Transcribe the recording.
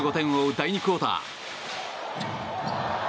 第２クオーター。